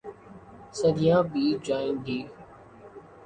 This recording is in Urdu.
صدیاں بیت جائیں گی۔